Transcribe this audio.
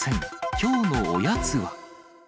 きょうのおやつは？